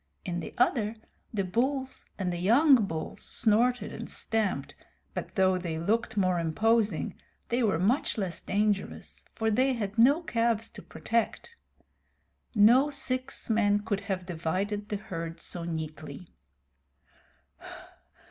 In the other, the bulls and the young bulls snorted and stamped, but though they looked more imposing they were much less dangerous, for they had no calves to protect. No six men could have divided the herd so neatly.